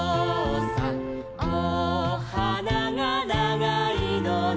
おはながながいのね」